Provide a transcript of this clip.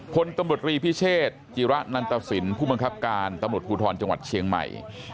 พลตำรวจรีพิเชษจิระนันตสินผู้บังคับการตำรวจภูทรจังหวัดเชียงใหม่